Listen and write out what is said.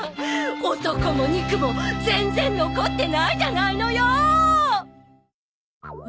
男も肉も全然残ってないじゃないのよ！